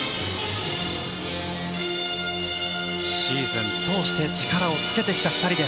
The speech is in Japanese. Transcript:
シーズン通して力をつけてきた２人。